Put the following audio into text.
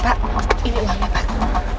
pak ini uangnya pak